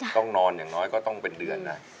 ต้องนอนอย่างน้อยก็ต้องเป็นเดือนนะ